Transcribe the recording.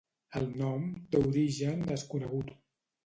El nom té origen desconegut.